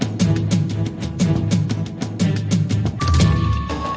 แล้วก็เห็นสายตามุ่งมั่นของคนที่เป็นลูกที่แม่นั่งอยู่ตรงนี้ด้วย